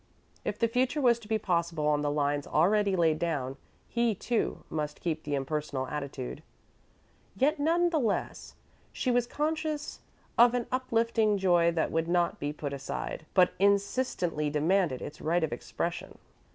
If the future was to be possible on the lines already laid down, he, too, must keep the impersonal attitude. Yet, none the less, she was conscious of an uplifting joy that would not be put aside, but insistently demanded its right of expression.